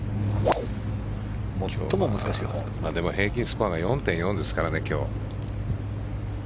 平均スコアが４．４ですからね、今日。